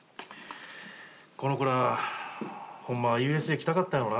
この子らホンマはＵＳＪ来たかったやろな。